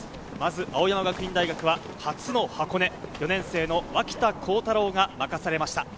青山学院大学は初の箱根、４年生の脇田幸太朗が任されました。